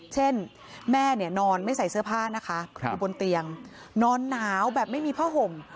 เช่นแม่เนี่ยนอนไม่ใส่เสื้อผ้านะคะอยู่บนเตียงนอนหนาวแบบไม่มีผ้าห่ม